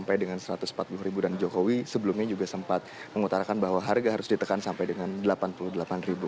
sampai dengan rp satu ratus empat puluh ribu dan jokowi sebelumnya juga sempat mengutarakan bahwa harga harus ditekan sampai dengan rp delapan puluh delapan ribu